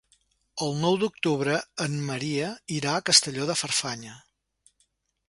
El nou d'octubre en Maria irà a Castelló de Farfanya.